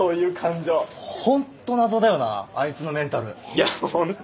いや本当